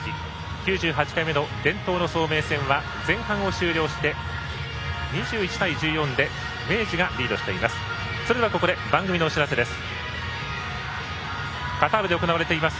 ９８回目の伝統の早明戦は前半を終了して２１対１４で明治がリードしています。